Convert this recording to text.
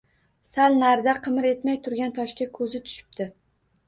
Sal narida qimir etmay turgan toshga ko‘zi tushibdi